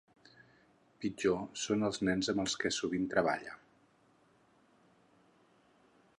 Pitjors són els nens amb els que sovint treballa.